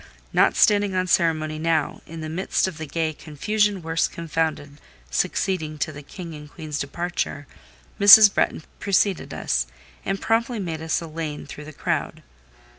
Not standing on ceremony now, in the midst of the gay "confusion worse confounded" succeeding to the King and Queen's departure, Mrs. Bretton preceded us, and promptly made us a lane through the crowd.